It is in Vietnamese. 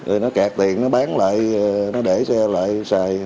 rồi nó kẹt nó bán lại nó để xe lại xài